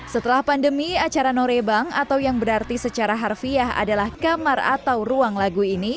setelah pandemi acara norebang atau yang berarti secara harfiah adalah kamar atau ruang lagu ini